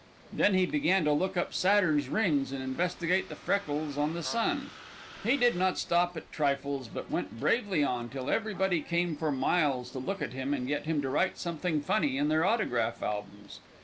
Then he began to look up Saturn's rings and investigate the freckles on the sun. He did not stop at trifles, but went bravely on till everybody came for miles to look at him and get him to write something funny in their autograph albums.